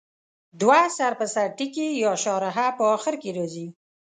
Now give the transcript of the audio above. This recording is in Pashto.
دوه سر په سر ټکي یا شارحه په اخر کې راځي.